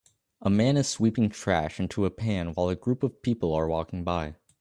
A man is sweeping trash into a pan while a group of people are walking by